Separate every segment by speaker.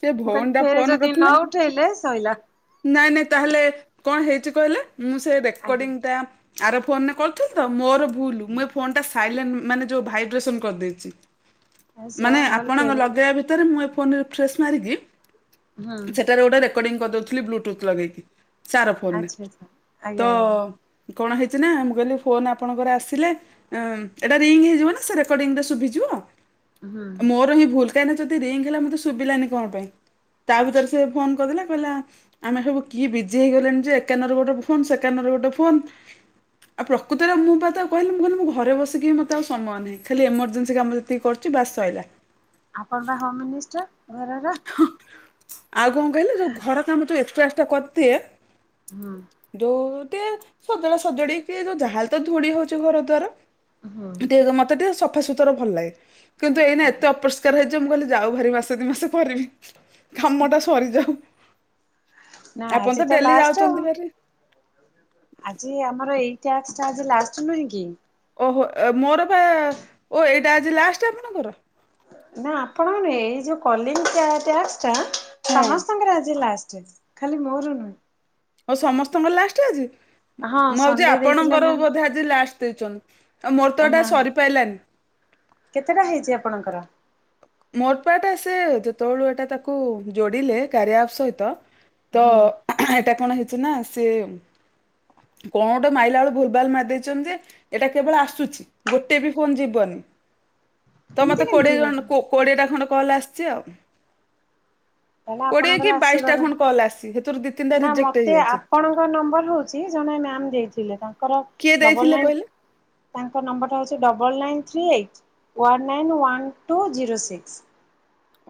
Speaker 1: ସେ
Speaker 2: ମୁଁ
Speaker 1: ଭଉଣୀ
Speaker 2: କହିଲି
Speaker 1: ଟା
Speaker 2: ଫେର୍
Speaker 1: ଫୋନ
Speaker 2: ଯଦି
Speaker 1: କରିଥିଲା
Speaker 2: ନ ଉଠେଇଲେ ଶଇଲା।
Speaker 1: ନାଇଁ ନାଇଁ ତାହେଲେ କଣ ହେଇଛି କହିଲେ, ମୁଁ ସେ
Speaker 2: ଆଜ୍ଞା।
Speaker 1: ରେକର୍ଡିଙ୍ଗଟା ଆର ଫୋନରେ କଲ୍ ତ ମୋର ଭୁଲ୍ ମୁଁ ଏ ଫୋନ୍ଟା ସାଇଲେଣ୍ଟ ମାନେ ଯୋଉ ଭାଇବ୍ରେସନ୍ କରିଦେଇଛି।
Speaker 2: ଆଉ ସେୟା
Speaker 1: ମାନେ
Speaker 2: ମୁଁ କହିଲି
Speaker 1: ଆପଣ
Speaker 2: ଫେରେ
Speaker 1: ଲଗେଇ ବା ଭିତରେ ମୁ ଏ ଫୋନ୍ ରେ ରିଫ୍ରେଶ ମାରିକି
Speaker 2: ହୁଁ
Speaker 1: ସେଠାରେ ଗୋଟେ ରେ କର୍ଡିଂ କରିଦଉଥିଲି ବ୍ଲୁଟୁଥ ଲଗେଇକି ସେ ଆର ଫୋନରେ
Speaker 2: ଆଚ୍ଛା ଆଚ୍ଛା ଆଜ୍ଞା
Speaker 1: ତ
Speaker 2: ଆଜ୍ଞା।
Speaker 1: କଣ ହେଇଛି ନା ମୁଁ କହିଲି ଫୋନ୍ ଆପଣଙ୍କର ଆସିଲେ ଆଁ ଏଟା ରିଙ୍ଗ ହେଇଯିବ ନା ସେ ରେକର୍ଡ଼ିଂ ଟା ଶୁବିଯିବ
Speaker 2: ହୁଁ
Speaker 1: ମୋର ହିଁ ଭୁଲ। ଦେନ୍ ଯଦି ରିଙ୍ଗ ହେଲା ମତେ ଶୁଭିଲାନି କଣ ପାଇଁ ତା ଭିତରେ ସେ ଫୋନ କରିଦେଲା କହିଲା ଆମେ ହେବୁ କିଏ ବିଜି ହେଇଗଲେଣି ଯେ ଏକାନରେ ଗୋଟେ ଫୋନ୍ ସେକାନରେ ଗୋଟେ ଫୋନ୍ ଆଉ ପ୍ରକୃତରେ ମୁଁ ବା ତା କହିଲି ମୁଁ କହିଲି ମୁଁ ଘରେ ବସିକି ମତେ ଆଉ ସମୟ ନାହିଁ ଖାଲି ଏମର୍ଜେନ୍ସି କାମରେ ଏତିିକି କରୁଛି ବାସ୍ ସଇଲା।
Speaker 2: ଆପଣ ବା ହୋମ୍ ମିନିଷ୍ଟର୍ ଘରର।
Speaker 1: ହଁ ଆଉ କଣ କହିଲୁ ଯୋଉ ଘର କାମ ଯୋଉ ଏକ୍ସଟ୍ରା ଏକ୍ସଟ୍ରା କରିଦିଏ
Speaker 2: ହଁ।
Speaker 1: ଯୋଉ ଟେ ସଜା ସଜଡିକି ଯୋଉ ଯାହାହେଲେତ ଧୂଳି ହଉଛି ଘର ଦ୍ଵାର
Speaker 2: ହୁଁ
Speaker 1: ଟିକେ ମତେ ତେ ସଫାସୁତୁରା ଭଲ ଲାଗେ ଏବେ ଏଇନା
Speaker 2: ଆଜ୍ଞା।
Speaker 1: ଏତେ ଅପରିଷ୍କାର ହେଇ ଛି ଯେ ମୁଁ କହିଲି ଯାଉ ଭାରି ମାସେ ଦୁଇ ମାସ କରିବି କାମ ଟା ସରିଯାଉ।
Speaker 2: ନା
Speaker 1: ଆପଣ
Speaker 2: ଆଜି
Speaker 1: ତ ଡେଲି
Speaker 2: ଲାଷ୍ଟ ଆଉ
Speaker 1: ଯାଉଛନ୍ତି ବେରି।
Speaker 2: ଆଜି ଆମର ଏଇ ଟାସ୍କ ଟା ଲାଷ୍ଟ ନୁହେଁ କି?
Speaker 1: ଓହୋ ମୋରବା ଓ ଏଇଟା ଆଜି ଲାଷ୍ଟ ଆପଣଙ୍କର?
Speaker 2: ନା ଆପଣ ଏଇ ଯୋଉ କଲିଙ୍ଗ ଟାସ୍କ
Speaker 1: ହଁ
Speaker 2: ଟାସ୍କଟା ସମସ୍ତଙ୍କର ଆଜି ଲାଷ୍ଟ। ଖାଲି ମୋର ନୁହେଁ।
Speaker 1: ହଉ ସମସ୍ତଙ୍କର ଲାଷ୍ଟ ଆଜି
Speaker 2: ହଁ
Speaker 1: ମୁଁ ଭାବୁଛି
Speaker 2: ସଣ୍ଡେ ଦେଇଥିଲେ
Speaker 1: ଆପଣଙ୍କର
Speaker 2: ମ୍ୟାମ୍
Speaker 1: ବୋଧେ ଆ ଜି ଲାଷ୍ଟ ଦେଇଛନ୍ତି ଆଉ ମୋର ତ ଏଟା
Speaker 2: ନା
Speaker 1: ସରିପାଇଲାନି।
Speaker 2: କେତେଟା ହେଇଛି ଆପଣଙ୍କର?
Speaker 1: ମୋର ପା ଟା ସେ ଯେତେବେଳୁ ଏଟା ତାକୁ ଯୋଡିଲେ କାରିଆପ୍ ସହିତ ତ
Speaker 2: ହୁଁ
Speaker 1: ଏଇଟା କଣ ହେଇଛି ନା ସେ କଣ ଟା ମାଇଲା ବେଳୁ ଭୁଲ ଭାଲ୍ ମାରି ଦେଇଛନ୍ତି ଯେ ଏଇଟା କେବଳ ଆସୁଛି। ଗୋଟେ ବି ଫୋନ୍ ଯିବନି।
Speaker 2: ହ
Speaker 1: ତମେତ କୋଡିଏ ଜଣ କୋ କୋଡିଏ ଟା ଖଣ୍ଡେ କଲ ଆସିଛି ଆଉ।
Speaker 2: ତାହେଲେ
Speaker 1: କୋଡିଏ
Speaker 2: ଆପଣଙ୍କର
Speaker 1: କି
Speaker 2: ଆସିବାର
Speaker 1: ବାଇଶଟା ଖଣ୍ଡ କଲ୍ ଆସି ସେଥିରୁ ଦି, ତିନିଟା ରିଜେକ୍ଟ ହେଇଯାଇଛି।
Speaker 2: ଫୋନ୍ ନମ୍ବରରୁ ହଉଛି ଜଣେ ମ୍ୟାମ୍ ଦେଇଥିଲେ ତାଙ୍କର
Speaker 1: କିଏ ଦେଇଥିଲେ
Speaker 2: ଡବଲନାଇନ୍
Speaker 1: କହିଲେ?
Speaker 2: ତାଙ୍କ ନମ୍ବର ହଉଛି double nine three eight one nine one two zero six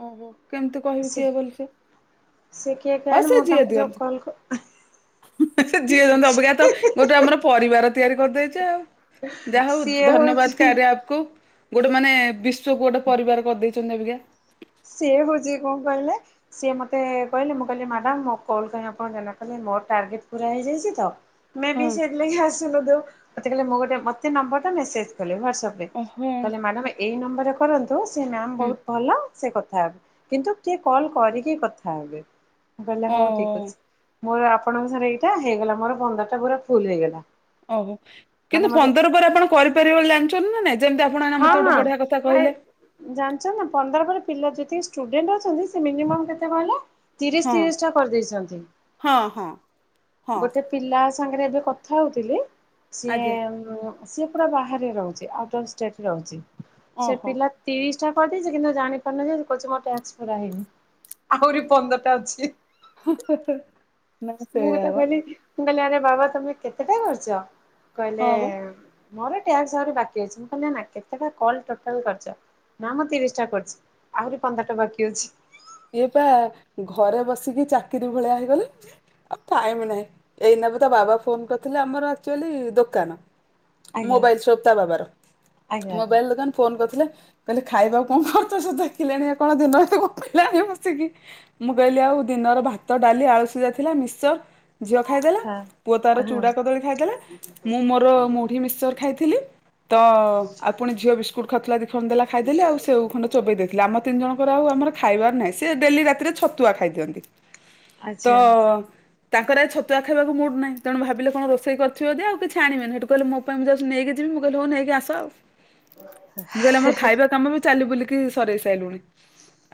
Speaker 1: ଓହୋ କେମିତି କହିବି
Speaker 2: ସେ
Speaker 1: କିଏ ବୋଲି ସିଏ।
Speaker 2: ସେ କିଏ କେଣ ମୁଁ ତାଙ୍କୁ ଯଉ କଲ୍
Speaker 1: ହୁଁ ଯେଉଁ ଅବଜ୍ଞା ତ ଗୋଟେ ଆମର ପରିବାର ତିଆରି କରିଦେଇଛି ଆଉ ଯା ହେଉ
Speaker 2: ସିଏ
Speaker 1: ଧନ୍ୟବାଦ୍
Speaker 2: ହଉଛି
Speaker 1: କାର୍ଯ୍ୟା ଆପ୍ କୁ ଗୋଟେ ମାନେ ବିଶ୍ଵକୁ ଗୋଟେ ପରିବାର କରିଦେଇଛନ୍ତି ଅବିକା।
Speaker 2: ସିଏ ହଉଛି କଣ କହିଲେ ସିଏ ମୋତେ କହିଲେ ମୁଁ କହିଲି ମ୍ୟାଡାମ ମ କଲ୍ କହି ଆପଣ ଜ କହେ ମୋର ଟାର୍ଗେଟ ପୁରା ହେଇଯାଇଛି ତ ବି
Speaker 1: ହଁ।
Speaker 2: ସେଇଥିଲାଗି ଆସିଲୁଉ ମତେ କହଲେ ମୁଁ ଗୋଟେ ମତେ ନମ୍ବର ଟା ମେସେଜ କଲି ହାଟସଆପ୍
Speaker 1: ଓହୋ
Speaker 2: କହିଲେ ମ୍ୟାଡ ଏଇ ନମ୍ବରରେ କରନ୍ତୁ ସେ ମ୍ୟାମ୍
Speaker 1: ହୁଁ।
Speaker 2: ବହୁତ ଭଲ। ସେ କଥା ହେବେ କିନ୍ତୁ ଟିକେ କଲ କରିକି କଥା ହେବେ କହିଲେ ହଉ ଠିକ
Speaker 1: ଓହୋ।
Speaker 2: ଅଛି। ମୋର ଆପଣଙ୍କ ସରେ ଏଇଟା ହେଇଗଲା ମୋର ପନ୍ଦରଟା ପୁରା ଫୁଲ ହେଇଗଲା।
Speaker 1: ଓହୋ
Speaker 2: ମାନେ
Speaker 1: କିନ୍ତୁ
Speaker 2: ମତେ
Speaker 1: ପନ୍ଦର ପରେ ଆପଣ କରିପାରିବେ ବୋଲି ଜାଣିଛନ୍ତି ନା ନଁ ଯେମିତି ଆପଣ
Speaker 2: ହଁ
Speaker 1: ମତେ
Speaker 2: ହଁ
Speaker 1: ଗୋଟେ ବଢିଆ କଥା
Speaker 2: ଏ
Speaker 1: କହିଲେ
Speaker 2: ଜାଣିଛ ନା ପନ୍ଦର ପରେ ପିଲା ଯେତିକି ଷ୍ଟୁଡେଣ୍ଟ ଅଛନ୍ତି ସେ ମିନିମମ୍ କେତେ କହିଲ ତିରିଶ
Speaker 1: ହଁ
Speaker 2: ତିରିଶ ଟା କରିଦେଇଛନ୍ତି
Speaker 1: ହଁ ହଁ ହଁ
Speaker 2: ଗୋଟେ ପିଲା ସାଙ୍ଗରେ ଏବେ କଥା ହଉଥିଲି ସିଏ
Speaker 1: ଆଜ୍ଞା
Speaker 2: ସିଏ ପୁରା ବାହାରେ ରହୁଛି। ଆଉଟ ଅଫ ଷ୍ଟେଟ ରେ ରହୁଛି। ସେ
Speaker 1: ଓହୋ
Speaker 2: ପିଲା ତିରିଶ ଟା କରିଦେଇଛି, କିନ୍ତୁ ଜାଣିପାରୁନ ଯେ କହୁଛି ମୋ ଟାକ୍ସ ପୁରା ହେଇନି। ଆହୁରି ପନ୍ଦରଟା ଅଛି।
Speaker 1: ନା
Speaker 2: ମୁଁ କ
Speaker 1: ସେଇଆ
Speaker 2: ତାକୁ
Speaker 1: ବା
Speaker 2: କହିଲି ମୁଁ କହିଲି ଆରେ ବାବା ତମେ କେତେଟା କରିଛ? କହିଲେ
Speaker 1: ହଁ ବା
Speaker 2: ମୋର ଟ୍ୟାକ୍ସ ଆହୁରି ବାକି ଅଛି। କହିଲି ନା କେତେଟା କଲ ଟୋଟାଲ କରିଛ? ନା ମୁଁ ତିରିଶ ଟା କରିଛି, ଆହୁରି ପନ୍ଦରଟା ବାକି ଅଛି।
Speaker 1: ଇଏ ପା ଘରେ ବସିକି ଚାକିରି ଭଳିଆ ହେଇଗଲା। ଆଉ ଟାଇମ ନାହିଁ। ଏଇନା ପା ତା ବାବା ଫୋନ କରିଥିଲେ। ଆମର ଆକ୍ଚୁଆଲି ଦୋକାନ।
Speaker 2: ଆଜ୍ଞା
Speaker 1: ମୋବାଇଲ ଶପ୍ ତା ବାବାର।
Speaker 2: ଆଜ୍ଞା ଆଜ୍ଞା।
Speaker 1: ମୋବାଇଲ ଦୋକାନ ଫୋନ କରିଥିଲେ। କହିଲେ ଖାଇବାକୁ କଣ କରୁଛ? ସେ ଦେଖିଲେଣି ଇଏ କଣ ଦିନରାତି ଗପି ଲାଣି ବସିକି। ମୁଁ କହିଲି ଆଉ ଦିନର ଭାତ, ଡାଲି, ଆଳୁ ସିଝା ଥିଲା ମିକ୍ସଚର୍ ଝିଅ ଖାଇଦେଲା,
Speaker 2: ହଁ
Speaker 1: ପୁଅ ତାର
Speaker 2: ହଁ
Speaker 1: ଚୁଡ଼ା କଦଳୀ ଖାଇଦେଲା, ମୁଁ ମୋର ମୁଢି ମିକ୍ସଚର ଖାଇଥିଲି। ତ ଆଉ ପୁଣ ଝିଅ ବିସ୍ କୁଟ ଖାଉଥିଲା ଦିଖ ଖଣ୍ଡ ଦେଲା ଖାଇଦେଲି ଆଉ ସେ ଖଣ୍ଡେ ଚୋବେଇ ଦେଇଥିଲି। ଆମ ତିନିଜଣଙ୍କ ର ଆଉ ଆମର ଖାଇବାର ନାହିଁ। ସେ ଡେଲି ରାତିରେ ଛତୁଆ ଖାଇ ଦିଅନ୍ତି। ତ
Speaker 2: ଆଚ୍ଛା
Speaker 1: ତାଙ୍କର ଆଜି ଛତୁଆ ଖାଇବାକୁ ମୁଡ୍ ନାହିଁ। ତେଣୁ ଭାବିଲେ କଣ ରୋଷେଇ କରିଥିବ ଯଦି ଆଉ କିଛି ଆଣିବିନି ହେଠୁ କହିଲେ ମୋ ପାଇଁ ମୁଁ ଯାଉଛି ନେଇକି ଯିବି। ମୁଁ ହଉ ନେଇକି ଆସ। ମୁଁ କହିଲି ଆମର ଖାଇବା କାମ ବି ଚାଲି ବୁଲିକି ସରେଇ ସାଇଲୁଣି।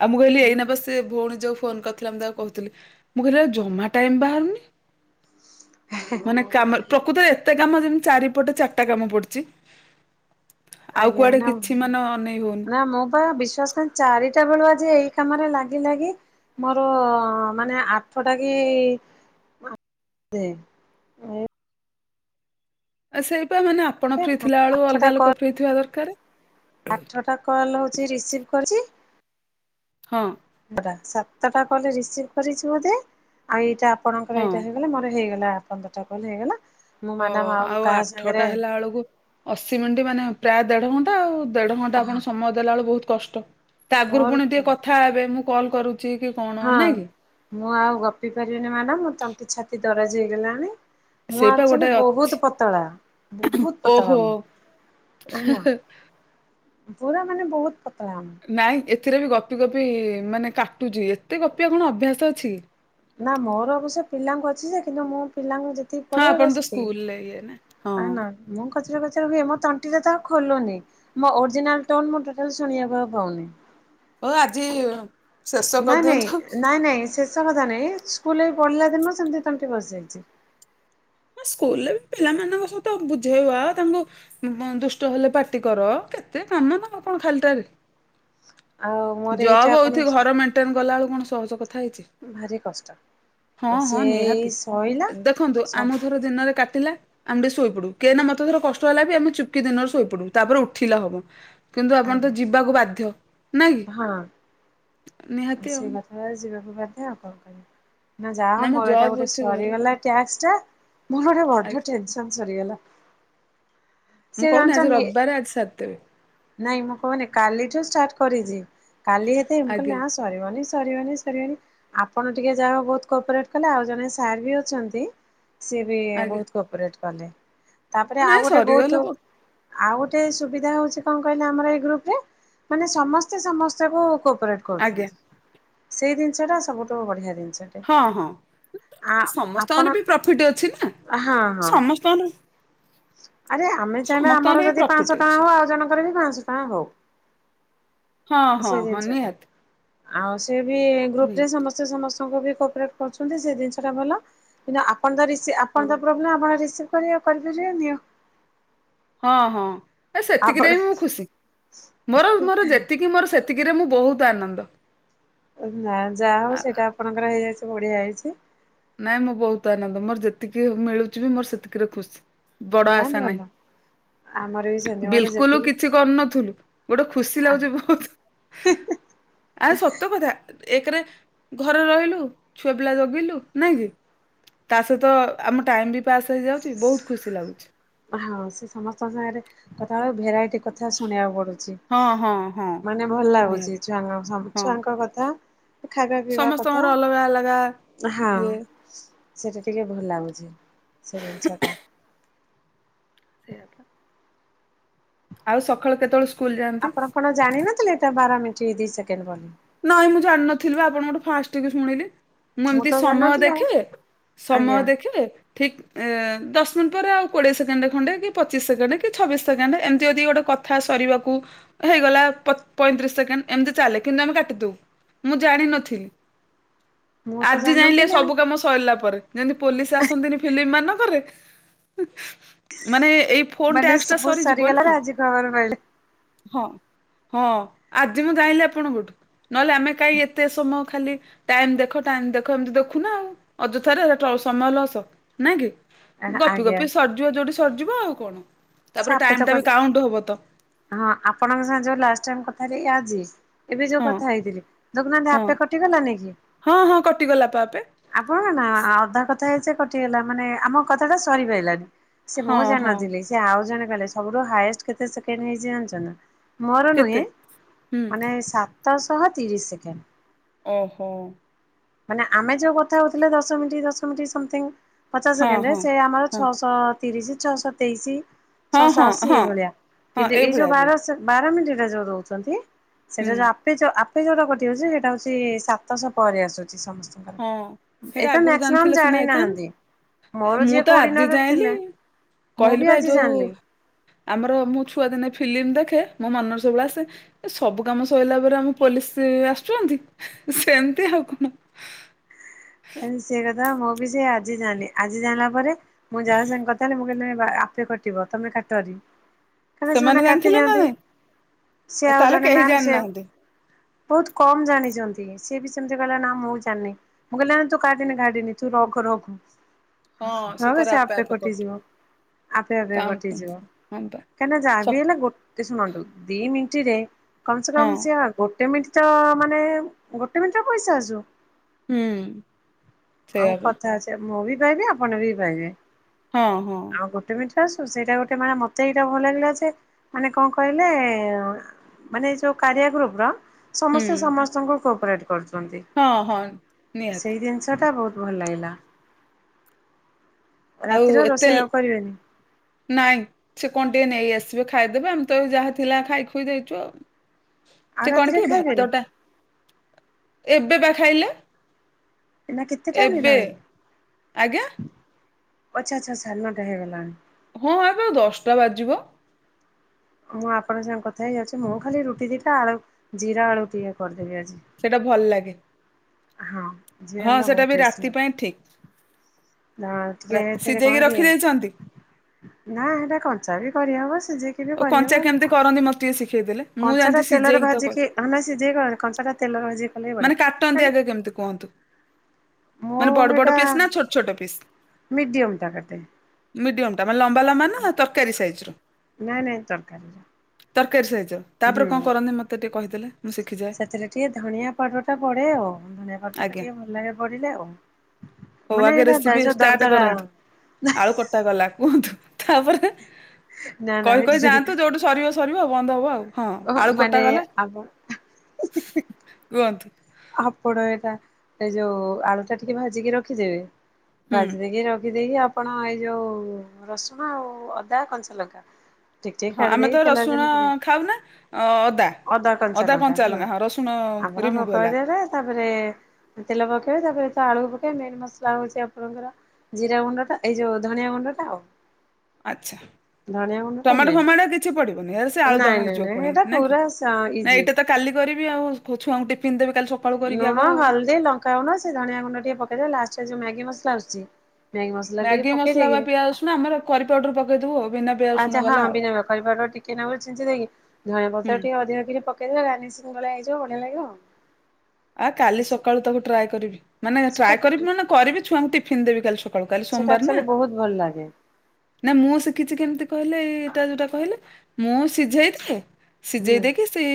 Speaker 1: ଆଉ ମୁଁ କହିଲି ଏଇନା ବ ସେ ଭଉଣୀ ଯୋଉ ଫୋନ କରିଥିଲା ମୁ ତାକୁ କହୁଥିଲି ମୁଁ କହିଲି ଆଉ ଜମା ଟାଇମ ବାହାରୁନି। ମାନେ କାମ ପ୍ରକୃତରେ ଏତେ କାମ ଯେମିତି ଚାରିପଟେ ଚାରିଟା କାମ ପଡିଛି। ଆଉ
Speaker 2: ଆଜ୍ଞା
Speaker 1: କୁଆଡେ
Speaker 2: ନା
Speaker 1: କିଛି ମାନେ ଅନେଇ ହଉନି
Speaker 2: [unintelligible] ମୁଁ ପା ବିଶ୍ଵାସ କରି ଚାରିଟା ବେଳୁ ଆଜି ଏଇ କାମ ରେ ଲାଗି ଲାଗି ମୋର ମାନେ ଆଠ ଟା କି [unintelligible]
Speaker 1: ଆ ସେଇପା ମାନେ ଆପଣ ଫ୍ରି ଥିଲା ବେଳୁ
Speaker 2: ଆଠଟା
Speaker 1: ଅଲଗା ଲୋକ
Speaker 2: କଲ୍
Speaker 1: ଫ୍ରି ଥିବା ଦରକାର।
Speaker 2: ଆଠଟା କଲ୍ ହେଉଛି ରିସିଭ୍ କରିଛି।
Speaker 1: ହଁ।
Speaker 2: [unintelligible] ସାତଟା ଟା କଲେ ରିସିଭ୍ କରିଛି ବୋଧେ ଆଉ ଏଇଟା ଆପଣଙ୍କର
Speaker 1: ହଁ
Speaker 2: ଏଇଟା ହେଇଗଲା ମୋର ହେଇଗଲା ପନ୍ଦରଟା କଲ ହେଇଗଲା। ମୁଁ
Speaker 1: ଓ
Speaker 2: ମ୍ୟାଡ଼ାମ
Speaker 1: ଆଉ
Speaker 2: କାହା ସାଙ୍ଗରେ
Speaker 1: ଆଠଟା ହେଲା ବେଳକୁ ଅଶି ମିନିଟ୍ ମାନେ ପ୍ରାୟ ଦେଢ଼ ଘଣ୍ଟା ଆଉ। ଦେଢ଼ ଘଣ୍ଟା
Speaker 2: ହଁ
Speaker 1: ଆପଣ ସମୟ ଦେଲାବେଳକୁ ବହୁତ କଷ୍ଟ। ତା ଆଗରୁ
Speaker 2: ମୋର
Speaker 1: ପୁଣି
Speaker 2: ତ
Speaker 1: ଟିକେ କଥା ହେବେ, ମୁଁ କଲ୍ କରୁଛି କି କଣ
Speaker 2: ହଁ,
Speaker 1: ନାଇଁ କି?
Speaker 2: ମୁଁ ଆଉ ଗପି ପାରିବିନି ମ୍ୟାଡାମ ମୋ ତଣ୍ଟି ଛାତି ଦରଜ ହେଇଗଲାଣି। ମୁଁ
Speaker 1: ସେଇପା ଗୋଟେ
Speaker 2: ଆକ୍ଚୁଲି
Speaker 1: ଅଛି
Speaker 2: ବହୁତ ପତଳା, ବହୁତ ପତଳା ମୁଁ।
Speaker 1: ହାଃ
Speaker 2: ହେଲା।
Speaker 1: ହାଃ।
Speaker 2: ପୁରା ମାନେ ବହୁତ ପତଳା
Speaker 1: ନାଇଁ ଏଥିରେ ବି ଗପି ଗପି ମାନେ କାଟୁଛି। ଏତେ ଗପିଆ କଣ ଅଭ୍ୟାସ ଅଛି କି?
Speaker 2: ନା ମୋର ଅବଶ୍ୟ ପିଲାଙ୍କୁ ଅଛି ଯେ, କିନ୍ତୁ ମୁଁ ପିଲାଙ୍କୁ ଯେ ତିକି
Speaker 1: ହଁ
Speaker 2: ପଢେଇବା
Speaker 1: ଆପଣ
Speaker 2: ବାସ୍
Speaker 1: ତ ସ୍କୁଲରେ ଇଏ ନା ହଁ
Speaker 2: ସେତିକି। ମୁଁ କଚର କଚର ହୁଏ ମୋ ତଣ୍ଟିଟା ତ ଆଉ ଖୋଲୁନି। ମୋ ଓରିଜିନାଲ ଟୋନ ମୁଁ ଟୋଟାଲ ଶୁଣିବାକୁ ଆଉ ପାଉନି।
Speaker 1: ହଉ ଆଜି ଶେଷ
Speaker 2: ନାଇଁ
Speaker 1: କରିଦିଅନ୍ତୁ।
Speaker 2: ନାଇଁ ନାଇଁ ନାଇଁ ଶେଷ କଥା ନାଇଁ ସ୍କୁଲ ପଢ଼ିଲା ଦିନୁ ସେମିତି ତଣ୍ଟି ବସିଯାଇଛି।
Speaker 1: ହଁ ସ୍କୁଲରେ ବି ପିଲାମାନଙ୍କ ସହିତ ବୁଝେଇବା, ତାଙ୍କୁ ଦୁଷ୍ଟ ହେଲେ ପାଟି କର। କେତେ କାମ ନା ଆଉ କଣ ଖାଲିଟାରେ।
Speaker 2: ଆଉ ମୋର ଏଇଟା ଆପଣ ସ
Speaker 1: [unintelligible] ଗଲାବେଳକୁ କଣ ସହଜ କଥା ହେଇଛି।
Speaker 2: ଭାରି କଷ୍ଟ।
Speaker 1: ହଁ ହଁ
Speaker 2: ସେ
Speaker 1: ନିହାତି।
Speaker 2: ଏଇ ସଇଲା
Speaker 1: ଦେଖନ୍ତୁ
Speaker 2: ସ
Speaker 1: [unintelligible] ଦିନରେ କାଟିଲା। ଆମେ ଟିକେ ଶୋଇପଡୁ କେହିନା ମତେ ଥର କଷ୍ଟ ହେଲା ବି ଆମେ ଚୁପ୍ କି ଦିନରେ ଶୋଇପଡୁ ତାପରେ ଉଠିଲା ହବ। କିନ୍ତୁ ଆପଣ ତ
Speaker 2: ଆଜ୍ଞା
Speaker 1: ଯିବାକୁ ବାଧ୍ୟ ନାଇଁ କି?
Speaker 2: ହଁ
Speaker 1: ନିହାତି ଆଉ।
Speaker 2: ହ ଯିବାକୁ ବାଧ୍ୟ ଆଉ କଣ କରିବୁ। ନା ଯାଅ
Speaker 1: ମୋ
Speaker 2: ମୋର ଏଇଟା
Speaker 1: ଜବ୍
Speaker 2: ଗୋଟେ
Speaker 1: ଅଛି ଘର
Speaker 2: ସରିଗଲା ଟ୍ୟାସ୍କ ଟା ମୋର ଗୋଟେ ବଡ଼
Speaker 1: ଆଜ୍ଞା
Speaker 2: ଟେନସନ ସରିଗଲା। ସେ
Speaker 1: ମୁଁ କହୁନି ଆଜି
Speaker 2: ଜାଣିଛନ୍ତି
Speaker 1: ରବିବାର ଆଜି ସାରି ଦେବେ।
Speaker 2: ନାଇଁ ମୁଁ କହନି କାଲିଠୁ ଷ୍ଟାର୍ଟ କରିଛି କାଲି ହେତେ ମୁଁ କହିଲି
Speaker 1: ଆଜ୍ଞା
Speaker 2: ନାଁ ସରିିବାନି ସରିିବାନି ସରିବନି। ଆପଣ ଟିକେ ଯାହା ବହୁତ କୋପ୍ରେଟ କଲେ ଆଉ ଜଣେ ସାର୍ ବି ଅଛନ୍ତି ସିଏ ବି
Speaker 1: ଆଜ୍ଞା
Speaker 2: ବହୁତ କୋପରେଟ କଲେ ତାପରେ ଆଉ
Speaker 1: ନାଇଁ
Speaker 2: ଗୋଟେ
Speaker 1: ସରିଗଲେ
Speaker 2: ବହୁତ
Speaker 1: ବ-
Speaker 2: ଆଉ ଗୋଟେ ସୁବିଧା ହଉଛି କଣ କହିଲେ ଆମର ଏଇ ଗ୍ରୁପରେ ମାନେ ସମସ୍ତେ ସମସ୍ତଙ୍କୁ କୋପଟ
Speaker 1: ଆଜ୍ଞା।
Speaker 2: କରୁଛନ୍ତି। ସେଇ ଜିନିଷଟା ସବୁଠୁ ବଢିଆ ଜିନିଷଟେ।
Speaker 1: ହଁ ହଁ
Speaker 2: ଆ ଆପଣ
Speaker 1: ସମସ୍ତଙ୍କର ବି ପ୍ରଫିଟ ଅଛି ନା
Speaker 2: ହଁ ହଁ।
Speaker 1: ସମସ୍ତଙ୍କର
Speaker 2: ଆରେ ଆମେ ଚାହିଁବା ଆମର
Speaker 1: ସମସ୍ତଙ୍କର ବି
Speaker 2: ଯଦି
Speaker 1: ପ୍ରଫିଟ୍
Speaker 2: ପାଞ୍ଚଶହ ଟଙ୍କା
Speaker 1: ଅଛି।
Speaker 2: ହଉ ଆଉ ଜଣଙ୍କର ବି ପାଞ୍ଚଶହ ଟଙ୍କା ହଉ
Speaker 1: ହଁ ହଁ
Speaker 2: ସେ
Speaker 1: ହଁ
Speaker 2: ଜିନିଷ ଟା।
Speaker 1: ନିହାତି
Speaker 2: ଆଉ ସେ ବି ଗ୍ରୁପ ରେ
Speaker 1: ନିହାତି।
Speaker 2: ସମସ୍ତ ସ୍ତଙ୍କୁ ବି କୋପରେଟ କରୁଛନ୍ତି ସେ ଜିନିଷ ଟା ଭଲ। କିନ୍ତୁ ଆପଣତ ରିସି ଆପଣ
Speaker 1: ହଁ।
Speaker 2: ତ ପ୍ରୋବ୍ଲେମ୍ ଆପଣ ରିସିଭ୍ କରିପାରିବେ କରିପାରିବେନି ଆଉ।
Speaker 1: ହଁ ହଁ ଏ
Speaker 2: ଆପଣ
Speaker 1: ସେତିକିରେ ମୁଁ ଖୁସି। ମୋର ମୋର ଯେତିକି ମୋର ସେତିକିରେ ମୁଁ ବହୁତ ଆନନ୍ଦ।
Speaker 2: ନା ଯାହା ହଉ
Speaker 1: ଆ-
Speaker 2: ସେଇଟା ଆପଣଙ୍କର ହେଇଯାଇଛି ବଢିଆ ହେଇଛି।
Speaker 1: ନାଇଁ ମୁଁ ବହୁତ ଆନନ୍ଦ ମୋର ଯେତିକି ମିଳୁଛି ବି ମୋର ସେତିକିରେ ଖୁସି। ବଡ
Speaker 2: ନା
Speaker 1: ଆଶା
Speaker 2: ଭଲ।
Speaker 1: ନାହିଁ।
Speaker 2: ଆମର ବି ସେମିତି ମୋର
Speaker 1: ବିଲକୁଲ
Speaker 2: ଯେତିକି
Speaker 1: କିଛି କରୁ ନଥିଲୁ ଗୋଟେ ଖୁସି ଲାଗୁଛି ବହୁତ
Speaker 2: [unintelligible]
Speaker 1: ଆରେ ସତ କଥା ଏକରେ ଘରେ ରହିଲୁ ଛୁଆ ପିଲା ଜଗିଲୁ ନାଇଁ? କି ତା ସହିତ ଆମ ଟାଇମ ବି ପାସ୍ ହେଇଯାଉଛି ବହୁତ ଖୁସି ଲାଗୁଛି।
Speaker 2: ହଁ ସେ ସମସ୍ତଙ୍କ ସାଙ୍ଗରେ କଥା ହବା ଭେରାଇଟି କଥା ଶୁଣିବାକୁ ପଡୁଛି
Speaker 1: ହଁ ହଁ ହଁ।
Speaker 2: ମାନେ ଭଲ ଲାଗୁଛି
Speaker 1: ନିହାତି
Speaker 2: ଛୁଆଙ୍କ ସବୁ
Speaker 1: ହଁ
Speaker 2: ଛୁଆଙ୍କ କଥା ଖାଇବା ପିଇବା କଥା,
Speaker 1: ସମସ୍ତଙ୍କର ଅଲଗା ଅଲଗା
Speaker 2: ହଁ।
Speaker 1: ଇଏ
Speaker 2: ସେଇଟା ଟିକେ ଭଲ ଲାଗୁଛି ସେ ଜିନିଷଟା।
Speaker 1: ସେଇଆପା। ଆଉ ସକାଳୁ କେତେବେଳେ ସ୍କୁ
Speaker 2: ଆପଣ କଣ ଜାଣିନଥିଲେ ଏଟା ବାର ମିନିଟ୍ ଦି ସେକେଣ୍ଡ ବୋଲି?
Speaker 1: ନାଇଁ ମୁଁ ଜାଣିନଥିଲି ଆପଣଙ୍କଠୁ ଫାଷ୍ଟକି ଶୁଣିଲି? ମୁଁ ଏମିତି
Speaker 2: ତ
Speaker 1: ସମୟ
Speaker 2: ଜାଣିନଥିଲି ଆଉ
Speaker 1: ଦେଖେ
Speaker 2: ଆଜ୍ଞା
Speaker 1: ସମୟ ଦେଖେ ଠିକ୍ ଏ ଦଶ ମିନିଟ୍ ପରେ ଆଉ କୋଡ଼ିଏ ସେକେଣ୍ଡ ଖଣ୍ଡେ କି ପଚିଶ ସେକେଣ୍ଡ କି ଛବିଶ ସେକେଣ୍ଡ ଏମିତି ଯଦି ଗୋଟେ କ କଥା ସରିବାକୁ ହେଇଗଲା ପଇଁତିରିଶ ସେକଣ୍ଡ ଏମିତି ଚାଲେ କିନ୍ତୁ ଆମେ କା ଟି [unintelligible] ମୁଁ ଜାଣିନଥିଲି
Speaker 2: ମୁଁ ତ
Speaker 1: ଆଜି ଯାଇଁଲେି
Speaker 2: ଜାଣିନଥିଲି ଆଉ
Speaker 1: ସବୁ କାମ ସରିଲା ପରେ ଯେମତି ପୋଲିସ ଆସନ୍ତିନି ଫିଲ୍ମ ମାନଙ୍କରେ ମାନେ ଏଇ ଫୋନ୍
Speaker 2: ମାନେ
Speaker 1: ଟ୍ୟାକ୍ସ ଟା
Speaker 2: ସବୁ
Speaker 1: ସରିଯିବ ନା।
Speaker 2: ସରିଗଲାରେ ଆଜି ଖବର ପାଇଲେ
Speaker 1: ହଁ, ହଁ, ଆଜି ମୁଁ ଯାଇଁଲିି ଆପଣଙ୍କଠୁ। ନହେଲେ ଆମେ କାହିଁ ଏତେ ସମୟ ଖାଲି ଟାଇମ ଦେଖ ଟାଇମ ଦେଖ ଏମିତି ଦେଖୁନା ଆଉ। ଅଯଥାରେ ସେଠୁ ଆଉ ସମୟ ଲସ୍। ନାଇଁ କି ଗପି
Speaker 2: ଆଜ୍ଞା
Speaker 1: ଗପି ସରିଯିବ ଯୋଉଠି ସରିଯିବ ଆଉ କଣ?
Speaker 2: ସେ
Speaker 1: ତାପରେ
Speaker 2: ଆପେ ତ
Speaker 1: ଟାଇମ ଟା ବି
Speaker 2: କରି
Speaker 1: କାଉଣ୍ଟ ହବ ତ।
Speaker 2: ହଁ, ଆପଣଙ୍କ ସାଙ୍ଗେ ଯୋଉ ଲାଷ୍ଟ ଟାଇମ୍ କଥା ହେଲି ଆଜି ଏବେ ଯୋଉ
Speaker 1: ହଁ
Speaker 2: କଥା ହେଇଥିଲି ଦେଖୁନାହାନ୍ତି
Speaker 1: ହଁ
Speaker 2: ଆପେ କଟିଗଲାନି କି?
Speaker 1: ହଁ ହଁ କଟିଗଲା ପା ଆପେ।
Speaker 2: ଆପଣ ନା ଅଧା କଥା ହେଇଚେ କଟିଗଲା ମାନେ ଆମ କଥା ଟା ସରିପାରିଲାନି। ସେ ମୁଁ
Speaker 1: ହଁ ହଁ।
Speaker 2: ଜାଣିନଥିଲି ସେ ଆଉ ଜଣେ କହିଲେ ସବୁଠୁ ହାଏଷ୍ଟ କେତେ ସେକେଣ୍ଡ ହେଇଚି ଜାଣିଚ ନା? ମୋର
Speaker 1: କେତେ
Speaker 2: ନୁହେଁ
Speaker 1: ହୁଁ।
Speaker 2: ମାନେ ସାତଶହ ତିରିଶ ସେକେଣ୍ଡ।
Speaker 1: ଓହୋ।
Speaker 2: ମାନେ ଆମେ ଯୋଉ କଥା ହଉଥିଲେ ଦଶ ମିନିଟ୍ ଦଶ ମିନିଟ୍ ସମଥିଙ୍ଗ ପଚାଶ
Speaker 1: ହଁ
Speaker 2: ସେକେଣ୍ଡ।
Speaker 1: ହଁ
Speaker 2: ସେ ଆମର
Speaker 1: ହଁ।
Speaker 2: ଛଅଶହ ତିରିଶ, ଛଅଶହ ତେଇଶି,
Speaker 1: ହଁ
Speaker 2: ଛଅଶହ
Speaker 1: ହଁ
Speaker 2: ଅଶି,
Speaker 1: ହଁ
Speaker 2: ଏଇ ଭଳିଆ।
Speaker 1: ହଁ
Speaker 2: କିନ୍ତୁ ଏଇ ଯୋଉ
Speaker 1: ଏଇଭଳିଆ
Speaker 2: ବାର
Speaker 1: ରୁହେ
Speaker 2: ବାର ମିନିଟ୍ ଟା ଯୋଉ ଦଉଛନ୍ତି
Speaker 1: ହୁଁ
Speaker 2: ସେଇଟାର ଆ ପି ଯଉ ଆପେ ଯୋଉଟା କଟିଯାଉଚି ସେଟା ହଉଚି ସାତ ଶହ ପରେ ଆସୁଚି ସମସ୍ତ
Speaker 1: ହଁ ସେଇଟା ଆଗରୁ ଜାଣିଥିଲେ ସିନା
Speaker 2: ଜାଣିନାହାନ୍ତି ମୋର
Speaker 1: ହେଇଥାନ୍ ମୁଁ
Speaker 2: ଯିଏ
Speaker 1: ତ ଆଜି
Speaker 2: କୋଡିନେଟର
Speaker 1: ଯାଇଁଲିି।
Speaker 2: ଥିଲେ ମୁଁ ବି
Speaker 1: କହିଲି ବା ଏ
Speaker 2: ଆଜି
Speaker 1: ଯୋଉ
Speaker 2: ଜାଣିଲି।
Speaker 1: ଆମର ମୁଁ ଛୁଆ ଦିନେ ଫିଲ୍ମ ଦେଖେ ମୋ ମନରେ ସବୁବେଳେ ଆସେ ଏ ସବୁ କାମ ସରିଲା ପରେ ଆମ ପୋଲିସ ଆସୁଛନ୍ତି। ସେମତି ଆଉ କଣ।
Speaker 2: ସେ କଥା, ମୁଁ ବି ସେ ଆଜି ଜାଣିଲି, ଆଜି ଜାଣିଲା ପରେ ମୁଁ ଯାହା ସାଙ୍ଗେ କଥା ହେଲି, ମୁଁ କହିଲି ଆପେ କଟିବ ତମେ କାଟନି। କାରଣ ସେମାନେ କାଟି
Speaker 1: ଜାଣିଥିଲେ ନା
Speaker 2: ଦିଅନ୍ତି।
Speaker 1: ନାଇଁ
Speaker 2: ସେ ଆଉ
Speaker 1: ତାହେଲେ
Speaker 2: ଜଣେ
Speaker 1: କେହି
Speaker 2: ମ୍ୟାମ୍ ସେ
Speaker 1: ଜାଣିନାହାନ୍ତି।
Speaker 2: ବହୁତ୍ କମ୍ ଜାଣିଚନ୍ତି। ସିଏ ବି ସେମତି କହିଲା ନା ମୁଁ ଜାଣିନି। ମୁଁ କହିଲି, ତୁ କାଟେନି କାଟେନି ତୁ ରଖ ରଖ। ରହ ବେ ସେ ଆପେ କଟିଯିବ। ଆପେ ଆପେ
Speaker 1: କାଉଣ୍ଟିଂ
Speaker 2: କଟିଯିବ।
Speaker 1: ହଁ ପା
Speaker 2: କାହିଁକି ନା ଯାହାବି ହେଲେ ଗୋ [unintelligible] ଶୁଣନ୍ତୁ ଦି ମିନିଟ୍ ରେ କମ୍ ସେ କମ୍
Speaker 1: ହଁ
Speaker 2: ସେ ଗୋ ଗୋଟେ ମିନିଟ୍ ତ ମାନେ ଗୋଟେ ମିନିଟ୍ ର ପଇସା ଆସୁ।
Speaker 1: ହୁଁ। ସେଇଆ
Speaker 2: ଆଉ
Speaker 1: ପା
Speaker 2: କଥା ଆସେ। ମୁଁ ବି ପାଇବି ଆପଣ ବି ପାଇବେ।
Speaker 1: ହଁ, ହଁ।
Speaker 2: ଆଉ ଗୋଟେ ମିନିଟରେ ଆସୁ। ସେଇଟା ଗୋଟେ ମାନେ ମୋତେ ଏଇଟା ଭଲ ଲାଗିଲା ଯେ ମାନେ କଣ କହିଲେ ମାନେ ଯୋଉ କାରି ଗ୍ରୁପ୍ ର ସମସ୍ତେ
Speaker 1: ହୁଁ
Speaker 2: ସମସ୍ତଙ୍କୁ କୋପରେଟ୍ କରୁଚନ୍ତି।
Speaker 1: ହଁ, ହଁ। ନିହାତି
Speaker 2: ସେଇ ଜିନିଷ ଟା ବହୁତ୍ ଭଲ ଲାଗିଲା।
Speaker 1: ଆଉ
Speaker 2: ରାତିର
Speaker 1: ଏତେ
Speaker 2: ରୋଷେଇ ଆଉ କରିବେନି
Speaker 1: ନାଇଁ। ସେ କଣ ଟିକେ ନେଇ ଆସିବେ ଖାଇଦେବେ। ଆମେ ତ ଯାହା ଥିଲା ଖାଇ ଖୁଇ ଦେଇଚୁ ଆଉ।
Speaker 2: ଆଉ
Speaker 1: ସେ କଣ
Speaker 2: ରାତିରେ
Speaker 1: କି ଭାତ
Speaker 2: ଖାଇବେନି
Speaker 1: ଟା ଏବେ ବା ଖାଇଲେ।
Speaker 2: ନା କେତେ ଟାଇମ୍
Speaker 1: ଏବେ
Speaker 2: ହେଲାଣି କି?
Speaker 1: ଆଜ୍ଞା
Speaker 2: ଆଚ୍ଛା, ଆଚ୍ଛା ସାଢେ଼ ନଅଟା ହେଇଗଲା।
Speaker 1: ହଁ, ଏବେ ବା ଦଶଟା ବାଜିବ।
Speaker 2: ମୁଁ ଆପଣଙ୍କ ସାଙ୍ଗେ କଥା ହେଇଯାଉଚି। ମୁଁ ଖାଲି ରୁଟି ଦିଟା ଆଳୁ ଜିରା ଆଳୁ ଟିକେ କରିଦେବି ଆଜି।
Speaker 1: ସେଇଟା ଭଲ ଲାଗେ।
Speaker 2: ହଁ ଜିରା
Speaker 1: ହଁ ସେଟା ବି ରାତି ପାଇଁ ଠିକ୍।
Speaker 2: ହଁ ଟିକେ ଏଥିରେ କଣ କି
Speaker 1: ରଖିଦେଇଛନ୍ତି।
Speaker 2: ନା, ହେଟା କଞ୍ଚା ବି କରିହବ। ସିଝେଇକି ବି
Speaker 1: ଓ କଞ୍ଚା
Speaker 2: କରିହବ।
Speaker 1: କେମିତି କରନ୍ତି ମତେ ଟିକେ ଶିଖେଇଦେଲେ ମୁଁ
Speaker 2: କଞ୍ଚାଟା
Speaker 1: ଜାଣିଛି
Speaker 2: ତେଲରେ
Speaker 1: ସିଝେଇକି ତ କର
Speaker 2: ଭାଜିିକି ନାଇଁ ସିଝେଇକି କର କଞ୍ଚାଟା ତେଲରେ ଭାଜି
Speaker 1: ମାନେ କାଟନ୍ତି ଆଗେ କେମିତି କୁହନ୍ତୁ?
Speaker 2: ମୁଁ
Speaker 1: ମାନେ ବଡ ବଡ
Speaker 2: ହେଟା
Speaker 1: ପିସ୍ ନା ଛୋଟ ଛୋଟ
Speaker 2: ମିଡିୟମ ଟା କାଟେ।
Speaker 1: ମିଡ଼ିୟମ ଟା ମାନେ ଲମ୍ବା ଲମ୍ବା ନା ତରକାରୀ ସାଇଜ୍ ର?
Speaker 2: ନାଇଁ ନାଇଁ ତରକାରୀ।
Speaker 1: ତରକାରୀ ସାଇଜ୍ ର।
Speaker 2: ହୁଁ।
Speaker 1: ତାପରେ କଣ କରନ୍ତି ମତେ ଟିକେ କହିଦେଲେ ମୁଁ ଶିଖିଯାଏ
Speaker 2: ସେଥିରେ ଟିକେ ଧଣିଆ ପାଉଡ଼ରଟା ପଡେ ଆଉ। ଧଣିଆ ଅଦା ଟା
Speaker 1: ଆଜ୍ଞା।
Speaker 2: ଟିକେ ଭଲ ଲାଗେ ପଡ଼ିଲେ ଆଉ।
Speaker 1: ହଉ
Speaker 2: ମାନେ
Speaker 1: ଆଗେ
Speaker 2: ଏଇଟା ଦ
Speaker 1: ରେସିପି
Speaker 2: ଯୋଉ
Speaker 1: ଷ୍ଟାର୍ଟ
Speaker 2: ଦରଦରା
Speaker 1: କରନ୍ତୁ। ଆଳୁ କଟା ଗଲା କୁହନ୍ତୁ ତାପରେ
Speaker 2: ନା ନା
Speaker 1: କହି କହି ଯାଆନ୍ତୁ
Speaker 2: ଏଇଟା
Speaker 1: ଯୋଉଠୁ ସରିବ ସରିବ ଆଉ ବନ୍ଦ ହବ ଆଉ। ହଁ ଆଳୁ
Speaker 2: ମାନେ
Speaker 1: କଟାଗଲା।
Speaker 2: ଆମ
Speaker 1: କୁହନ୍ତୁ।
Speaker 2: ଆପଣ ଏଟା ଏ ଯୋଉ ଆଳୁଟା ଟିକେ ଭାଜିକି ରଖିଦେବେ।
Speaker 1: ହୁଁ
Speaker 2: ଭାଜି ଦେଇକି ରଖିଦେଇକି ଆପଣ ଏଇ ଯୋଉ ରସୁଣ ଆଉ ଅଦା, କଞ୍ଚା ଲଙ୍କା ଟିକେ ଟିକେ
Speaker 1: ହଁ
Speaker 2: କାଢି
Speaker 1: ଆମେ
Speaker 2: ଦେଇକି
Speaker 1: ତ
Speaker 2: ତେଲ
Speaker 1: ରସୁଣ
Speaker 2: ଯେମିତି ପକେଇବେ
Speaker 1: ଖାଉନା। ଅଦା
Speaker 2: କଞ୍ଚା
Speaker 1: ଅଦା
Speaker 2: ଲଙ୍କା ହେଲା।
Speaker 1: କଞ୍ଚାଲଙ୍କା ହଁ ରସୁ ସୁଣ
Speaker 2: ଆପଣ
Speaker 1: ରିମୁଭ୍ ହେଲା।
Speaker 2: [unintelligible] ତାପରେ ତେଲ ପକେଇବେ ତାପରେ ତ ଆଳୁକୁ ପକେଇବେ ମେନ୍ ମସଲା ହଉଚି ଆପଣଙ୍କର ଜିରା ଗୁଣ୍ଡ ଟା ଏଇଯୋଉ ଧଣିଆ ଗୁଣ୍ଡ ଟା ଆଉ।
Speaker 1: ଆଚ୍ଛା।
Speaker 2: ଧଣିଆ ଗୁଣ୍ଡ ଟା
Speaker 1: ଟମାଟ
Speaker 2: ମେନ୍
Speaker 1: ଫମାଟ କିଛି ପଡିବନି ଏ ସେ ଆଳୁ ଦମ
Speaker 2: ନାଇଁ ନାଇଁ
Speaker 1: ହେଇଯିବ
Speaker 2: ନାଇଁ
Speaker 1: ପୁଣି
Speaker 2: ସେଇଟା
Speaker 1: ନା କି
Speaker 2: ପୁରା ସା
Speaker 1: ନାଇଁ
Speaker 2: ଇଜି।
Speaker 1: ଏଇଟା ତ କାଲି କରିବି ଆଉ ଛଆଙ୍କୁ ଟିଫନ୍ ଦେବି କାଲି ସ
Speaker 2: ଲୁଣ ହଲଦୀ ଲଙ୍କାଗୁଣ୍ଡ ସେ ଧଣିଆ ଗୁଣ୍ଡ ଟିକେ ପକେଇଦେବେ ଲାଷ୍ଟରେ ଯୋଉ ମ୍ୟାଗି ମସଲା ଆସୁଚି ମ୍ୟାଗି ମସଲା ଟିକେ
Speaker 1: ମ୍ୟାଗି ମସଲା ବା
Speaker 2: ପକେଇଦେଇକିରି
Speaker 1: ପିଆଜ ରସୁଣ ଆମର କରି ପାଉଡର ପକେଇଦବୁ ଆଉ ବିନା ପିଆଜ ରସୁଣ
Speaker 2: ଆଚ୍ଛା
Speaker 1: ବାଲା
Speaker 2: ହଁ
Speaker 1: ଆଉ
Speaker 2: ବିନାମ କରି ପାଉଡର୍ ଟି ଟିକେ ନାଗୁରୁ ଛିଞ୍ଚି ଦେଇକି ଧଣିଆ
Speaker 1: ହୁଁ।
Speaker 2: ପତ୍ର ଟିକେ ଅଧିଆକିରି ପକେଇଦେବେ ଗାନିସିଙ୍ଗ ଭଳିଆ ହେଇଯି ବଢିଆ ଲାଗିବ ଆଉ।
Speaker 1: ଆ କାଲି
Speaker 2: ସେ
Speaker 1: ସକାଳୁ ତାକୁ ଟ୍ରାଏ କରିବି ମାନେ
Speaker 2: ସେଟା
Speaker 1: ଟ୍ରାଏ କରିବି ମାନେ କରିବି ଛୁଆଙ୍କୁ ଟିଫିନ୍ ଦେବି କାଲି ସ କାଳୁ କାଲି
Speaker 2: ସେଟା
Speaker 1: ସୋମବାର ନା।
Speaker 2: ଆକ୍ଚୁଆଲି ବହୁତ ଭଲ ଲାଗେ
Speaker 1: ନା ମୁଁ ଶିକିଚି କେମିତି କହିଲେ ଏଇଟା ଯୋଉଟା କହିଲେ ମୁଁ ସିଝେଇ ଦିଏ ସିଜେଇ
Speaker 2: ହୁଁ
Speaker 1: ଦେଇକି କି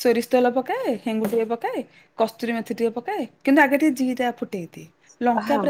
Speaker 1: ସୋରିଷ ତେଲ ପକାଏ ହେଙ୍ଗୁଟିଏ ପକାଏ କସ୍ତୁରୀ ମେଥି ଟିକେ ପକାଏ କିନ୍ତୁ ଆଗେ ଟିକେ ଜିରା ଫୁଟେଇଦିଏ ଲଙ୍କା ପ୍ରାୟେ
Speaker 2: ହଁ।